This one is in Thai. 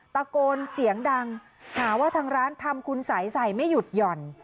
ตะโกนเสียงดังหาว่าทางร้านทำคุณสัยใส่ไม่หยุดหย่อน